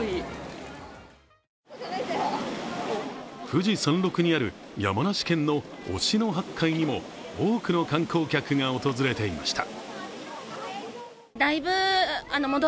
富士山麓にある山梨県の忍野八海にも多くの観光客が訪れていました。